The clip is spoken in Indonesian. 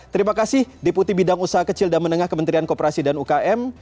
terima kasih deputi bidang usaha kecil dan menengah kementerian kooperasi dan ukm